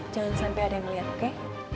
jangan sampai ada yang melihat oke